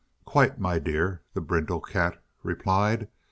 "Quite, my dear," the brindled cat replied.